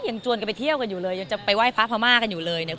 ชวนกันไปเที่ยวกันอยู่เลยยังจะไปไหว้พระพม่ากันอยู่เลยเนี่ย